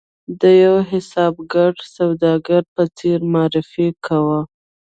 د یوه حسابګر سوداګر په څېر معرفي کاوه.